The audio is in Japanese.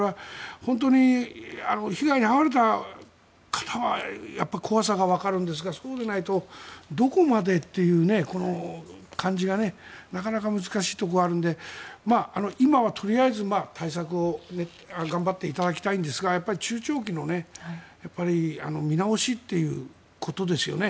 本当に被害に遭われた方は怖さがわかるんですがそうでないとどこまでっていう感じがなかなか難しいところがあるので今はとりあえず対策を頑張っていただきたいんですがやっぱり中長期の見直しということですよね。